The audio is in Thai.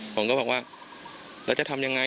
ผมก็บอกว่าแล้วจะทำยังไง